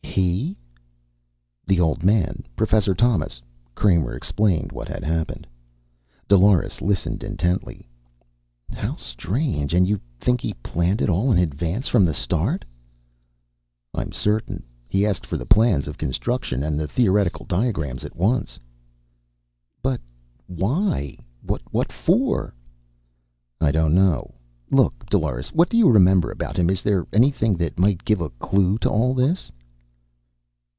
"He?" "The Old Man. Professor Thomas." Kramer explained what had happened. Dolores listened intently. "How strange. And you think he planned it all in advance, from the start?" "I'm certain. He asked for the plans of construction and the theoretical diagrams at once." "But why? What for?" "I don't know. Look, Dolores. What do you remember about him? Is there anything that might give a clue to all this?"